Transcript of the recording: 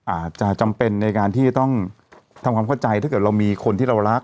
อาจจะจำเป็นในการที่ต้องทำความเข้าใจถ้าเกิดเรามีคนที่เรารัก